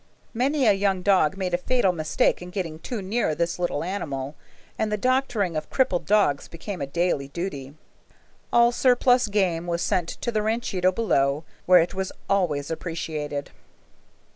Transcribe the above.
Many a young dog made a fatal mistake in getting too near this little animal, and the doctoring of crippled dogs became a daily duty. All surplus game was sent to the ranchito below, where it was always appreciated.